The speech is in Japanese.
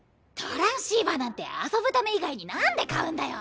トランシーバーなんて遊ぶため以外に何で買うんだよ。